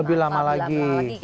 lebih lama lagi